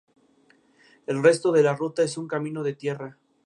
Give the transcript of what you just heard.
En medios muy ácidos se encuentra como catión libre Pd.